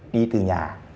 đi từ nhà